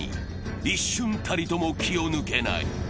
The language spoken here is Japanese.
一瞬たりとも気を抜けない。